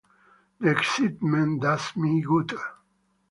The excitement does me good.